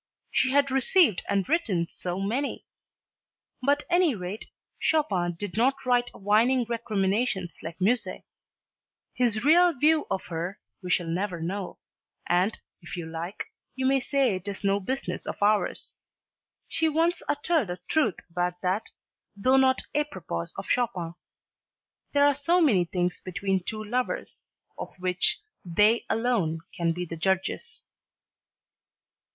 She had received and written so many! But any rate, Chopin did not write whining recriminations like Mussel. His real view of her we shall never know and, if you like, you may say it is no business of ours. She once uttered a truth about that (though not apropos of Chopin), "There are so many things between two lovers of which they alone can be the judges."